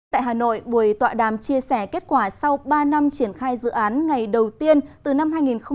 tại hà nội buổi tọa đàm chia sẻ kết quả sau ba năm triển khai dự án ngày đầu tiên từ năm hai nghìn một mươi sáu